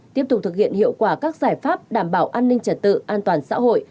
tiếp tục thực hiện hiệu quả các giải pháp đảm bảo an ninh trật tự an toàn xã hội